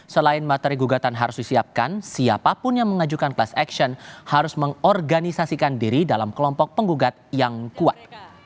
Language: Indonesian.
selain materi gugatan harus disiapkan siapapun yang mengajukan class action harus mengorganisasikan diri dalam kelompok penggugat yang kuat